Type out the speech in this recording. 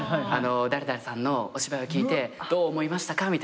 誰々さんのお芝居を聞いてどう思いましたか？